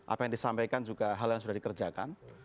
apa yang disampaikan juga hal yang sudah dikerjakan